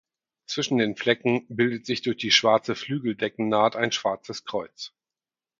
Zwischen den Flecken bildet sich durch die schwarze Flügeldeckennaht ein schwarzes Kreuz.